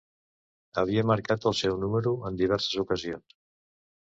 Havia marcat el seu número en diverses ocasions.